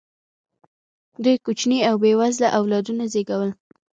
دوی کوچني او بې وزله اولادونه زېږول.